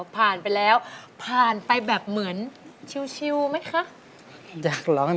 โปรดคิดเมตายอดมาบางสิ